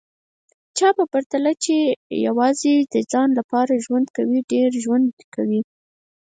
چا په پرتله چي یوازي د ځان لپاره ژوند کوي، ډېر ژوند کوي